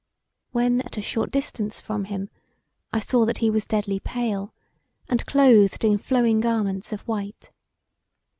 When at [a] short distance from him I saw that he was deadlily pale, and clothed in flowing garments of white.